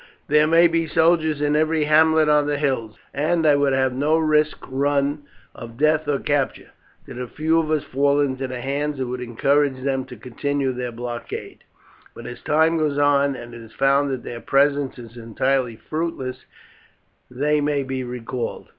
"There may be soldiers in every hamlet on the hills, and I would have no risk run of death or capture. Did a few of us fall into their hands it would encourage them to continue their blockade, but as time goes on, and it is found that their presence is entirely fruitless, they may be recalled."